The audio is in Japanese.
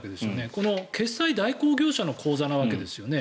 この決済代行業者の口座なわけですよね。